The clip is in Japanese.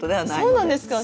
そうなんですか。